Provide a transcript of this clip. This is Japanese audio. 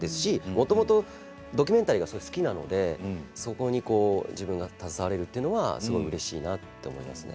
もともとドキュメンタリーが好きなのでそこに自分が携われるというのはすごくうれしいなと思いますね。